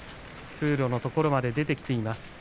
通路のところに出てきています。